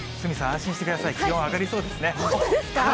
安心してください、気温上がりそうですね。